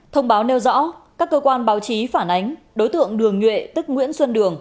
thông báo nêu rõ các cơ quan báo chí phản ánh đối tượng đường nhuệ tức nguyễn xuân đường